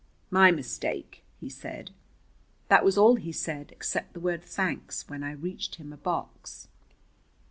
"My mistake," he said. That was all he said, except the word "Thanks" when I reached him a box.